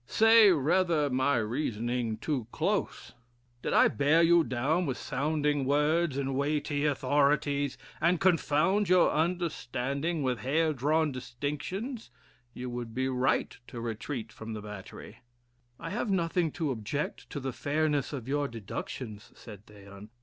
"Say, rather, my reasoning too close. Did I bear you down with sounding words and weighty authorities, and confound your understanding with hair drawn distinctions, you would be right to retreat from the battery." "I have nothing to object to the fairness of your deductions," said Theon.